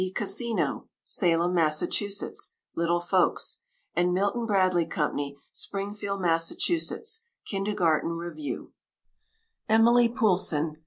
E. Cassino, Salem, Massachusetts (Little Folks); and Milton Bradley Co., Springfield, Massachusetts (Kindergarten Review). EMILIE POULSSON.